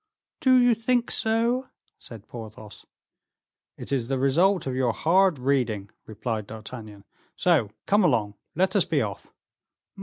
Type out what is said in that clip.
"Do you think so?" said Porthos. "It is the result of your hard reading," replied D'Artagnan. "So come along, let us be off."